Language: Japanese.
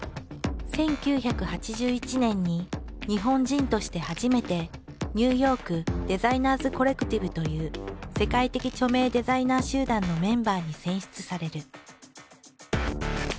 １９８１年に日本人として初めてニューヨーク・デザイナーズ・コレクティブという世界的著名デザイナー集団のメンバーに選出される。